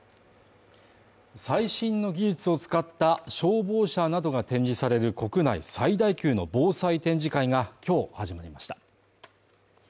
最新の技術を使った消防車などが展示される国内最大級の防災展示会が今日始まりました。